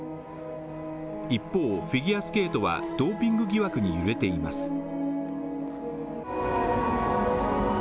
一方、フィギュアスケートはドーピング疑惑に揺れています。